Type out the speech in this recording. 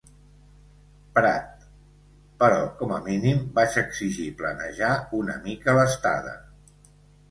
Prat, però com a mínim vaig exigir planejar una mica l'estada.